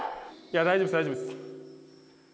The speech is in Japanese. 大丈夫です大丈夫です